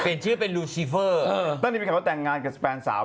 เป็นชื่อเป็นลูซิเฟอร์ตั้งนี้มีข่าวว่าแต่งงานกับแฟนสาว